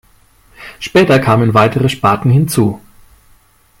Später kamen weitere Sparten hinzu.